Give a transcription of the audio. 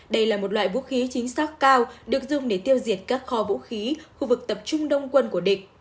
đây là một loại vũ khí chính xác cao được dùng để tiêu diệt các kho vũ khí khu vực tập trung đông quân của địch